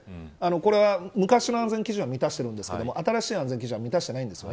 これは昔の安全基準は満たしているんですが新しい安全基準は満たしていないんです。